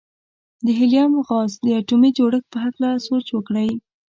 د هیلیم غاز د اتومي جوړښت په هکله سوچ وکړئ.